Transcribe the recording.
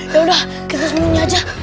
yaudah kita sembunyi aja